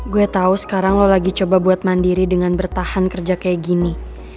gue tau sekarang lo lagi coba buat mandiri dengan bertahan kerja kayak gini